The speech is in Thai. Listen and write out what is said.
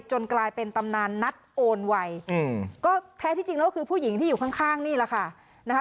กลายเป็นตำนานนัดโอนไวอืมก็แท้ที่จริงแล้วคือผู้หญิงที่อยู่ข้างนี่แหละค่ะนะคะ